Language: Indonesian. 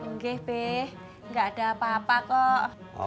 nggak ada apa apa kok